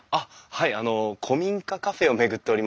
はいあの古民家カフェを巡っておりまして。